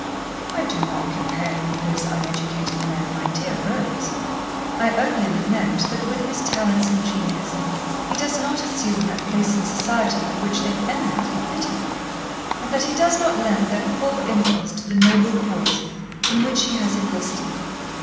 'I do not compare him with those uneducated men, my dear Rose. I only lament that, with his talents and genius, he does not assume that place in society for which they eminently fit him, and that he does not lend their full impulse to the noble cause in which he has enlisted.